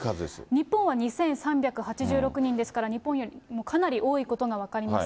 日本は２３８６人ですから、日本よりもかなり多いことが分かります。